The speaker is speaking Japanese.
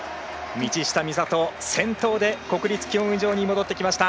道下美里、先頭で国立競技場に戻ってきました。